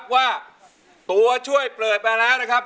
ว่าตัวช่วยเปิดมาแล้วนะครับ